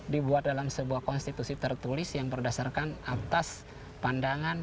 dibuat dalam sebuah konstitusi tertulis yang berdasarkan atas pandangan